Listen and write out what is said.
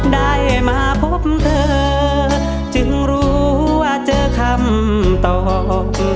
ได้มาพบเธอจึงรู้ว่าเจอคำตอบ